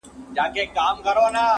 مُلا ډوب سو په سبا یې جنازه سوه!.